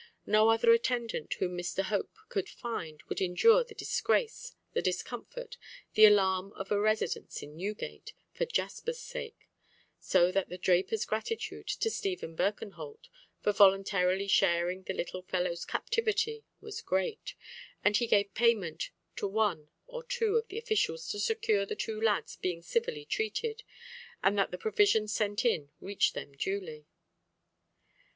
No other attendant whom Mr. Hope could find would endure the disgrace, the discomfort, and alarm of a residence in Newgate for Jasper's sake; so that the drapers gratitude to Stephen Birkenholt, for voluntarily sharing the little fellow's captivity, was great, and he gave payment to one or two of the officials to secure the two lads being civilly treated, and that the provisions sent in reached them duly.